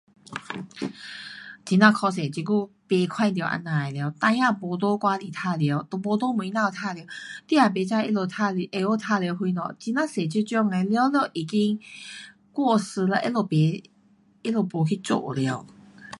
很呀可惜这久甭看到这样的了。孩儿没在外里玩耍，都没在门外玩耍，你也不知他们玩耍，会晓玩耍什么，很呀多这种的全部已经过时了，他们甭，他们没去做了。